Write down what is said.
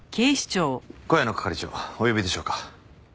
小谷野係長お呼びでしょうか？